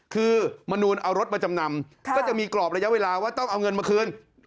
คือมนูลเอารถมาจำนำก็จะมีกรอบระยะเวลาว่าต้องเอาเงินมาคืน